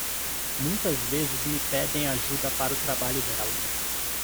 Muitas vezes me pedem ajuda para o trabalho dela.